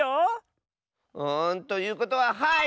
んということははい！